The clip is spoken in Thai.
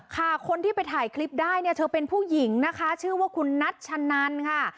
ค่ะคนที่ไปถ่ายคลิปได้เนี่ยเธอเป็นผู้หญิงนะคะชื่อว่าคุณนัชนันค่ะ